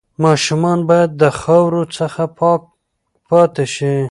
ماشومان باید د خاورو څخه پاک پاتې شي.